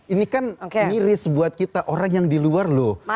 ini kan miris buat kita orang yang di luar loh